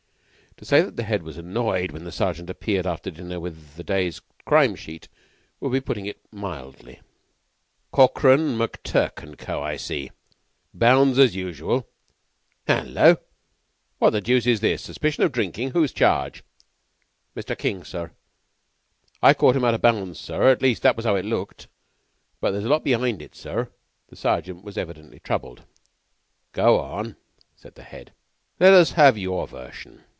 To say that the Head was annoyed when the Sergeant appeared after dinner with the day's crime sheet would be putting it mildly. "Corkran, McTurk, and Co., I see. Bounds as usual. Hullo! What the deuce is this? Suspicion of drinking. Whose charge??" "Mr. King's, sir. I caught 'em out of bounds, sir: at least that was 'ow it looked. But there's a lot be'ind, sir." The Sergeant was evidently troubled. "Go on," said the Head. "Let us have your version."